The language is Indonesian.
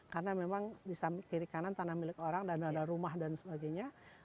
karena memang di kiri kanan tanah milik orang dan ada rumah dan sebagainya